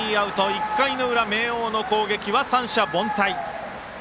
１回の裏、明桜の攻撃は三者凡退。